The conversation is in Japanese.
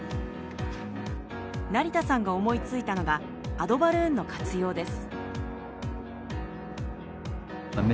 成田さんが思いついたのがアドバルーンの活用です。